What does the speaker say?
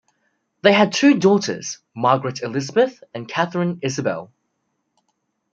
They had two daughters, Margaret Elizabeth and Katherine Isabelle.